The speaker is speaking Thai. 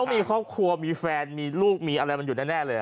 มีครอบครัวมีแฟนมีลูกมีอะไรมันอยู่แน่เลย